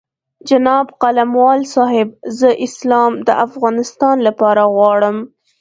جناب قلموال صاحب زه اسلام د افغانستان لپاره غواړم.